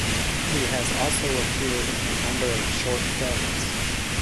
He has also appeared in a number of short films.